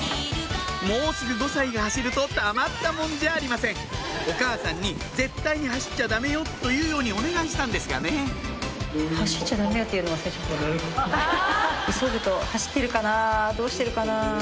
もうすぐ５歳が走るとたまったもんじゃありませんお母さんに「絶対に走っちゃダメよ」と言うようにお願いしたんですがねどうしてるかな。